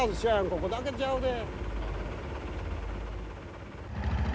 ここだけちゃうで。